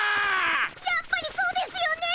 やっぱりそうですよね。